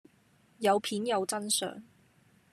有片有真相